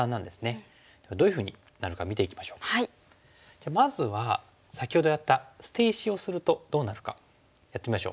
じゃあまずは先ほどやった捨て石をするとどうなるかやってみましょう。